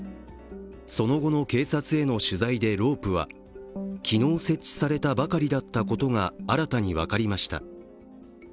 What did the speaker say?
その後の警察への取材でロープは昨日、設置されたばかりだったことが新たに分かりました。